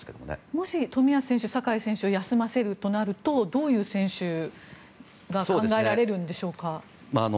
もし冨安選手、酒井選手を休ませるとなるとどういう選手が考えられるんでしょうか。